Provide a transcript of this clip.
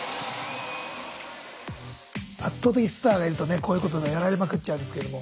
圧倒的スターがいるとねこういうことでやられまくっちゃうんですけども。